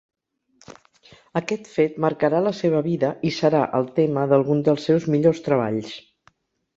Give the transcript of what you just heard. Aquest fet marcarà la seva vida i serà el tema d'alguns dels seus millors treballs.